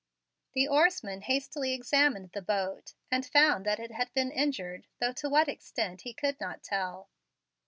The oarsman hastily examined the boat, and found that it had been injured, though to what extent he could not tell.